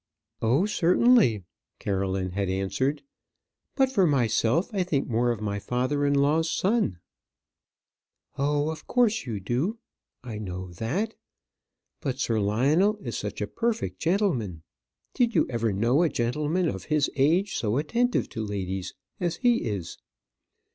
"Oh, certainly," Caroline had answered. "But, for myself, I think more of my father in law's son." "Oh, of course you do; I know that. But Sir Lionel is such a perfect gentleman. Did you ever know a gentleman of his age so attentive to ladies as he is?"